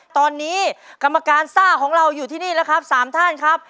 ตอนนี้กรรมการซ่าของเราอยู่ที่นี่แล้วครับ๓ท่านครับ